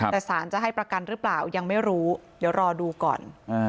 แต่สารจะให้ประกันหรือเปล่ายังไม่รู้เดี๋ยวรอดูก่อน